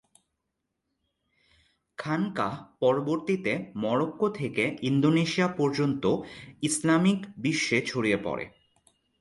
খানকাহ পরবর্তীতে মরক্কো থেকে ইন্দোনেশিয়া পর্যন্ত ইসলামিক বিশ্বে ছড়িয়ে পড়ে।